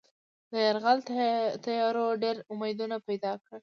د یرغل تیاریو ډېر امیدونه پیدا کړل.